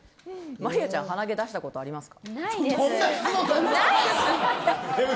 まりあちゃん鼻毛出したことありますか。